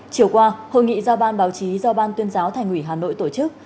chiều qua hội nghị giao ban báo chí do ban tuyên giáo thành ủy hà nội tổ chức